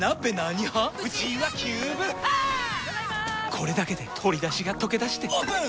これだけで鶏だしがとけだしてオープン！